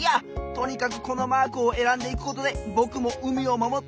とにかくこのマークをえらんでいくことでぼくも海をまもっていくぞ！